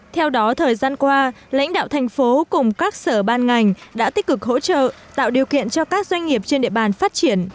theo đó thời gian qua lãnh đạo thành phố cùng các sở ban ngành đã tích cực hỗ trợ tạo điều kiện cho các doanh nghiệp trên địa bàn phát triển